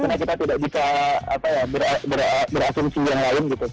karena kita tidak bisa berasumsi yang lain gitu